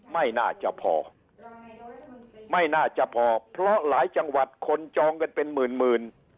ไม่น่าจะพอไม่น่าจะพอเพราะหลายจังหวัดคนจองกันเป็นหมื่นหมื่น